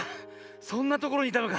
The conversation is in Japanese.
そんなところにいたのか。